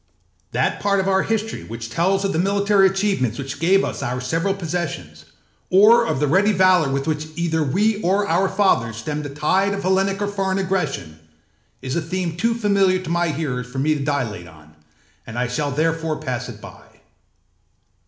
That part of our history which tells of the military achievements which gave us our several possessions, or of the ready valour with which either we or our fathers stemmed the tide of Hellenic or foreign aggression, is a theme too familiar to my hearers for me to dilate on, and I shall therefore pass it by.